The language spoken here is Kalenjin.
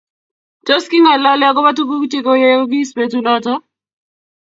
Tos, kingalalel agoba tuguk chegoyeyogis betunoto?